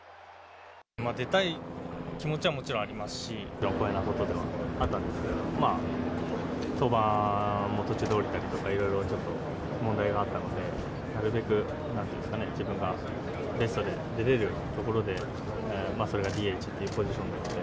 出たい気持ちはもちろんありますし、光栄なことではあったんですけど、登板も途中で降りたりとかいろいろちょっと、問題があったので、なるべく、なんていうんですかね、自分がベストで出れるところでそれがＤＨというポジションなので。